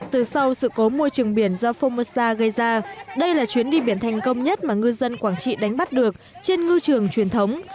từ sau sự cố môi trường biển do phongmosa gây ra đây là chuyến đi biển thành công nhất mà ngư dân quảng trị đánh bắt được trên ngư trường truyền thống